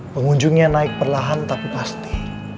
pengunjungnya naik perlahan tapi pasti